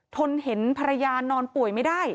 ทนเห็นภรรยานอนป่วยไม่ได้